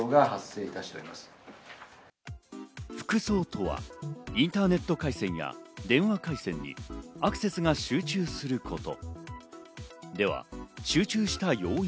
輻輳とはインターネット回線や電話回線にアクセスが集中すること。